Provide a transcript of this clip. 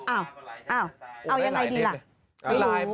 อ้าวเอายังไงดีล่ะ